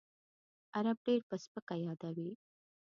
عرب ډېر په سپکه یادوي.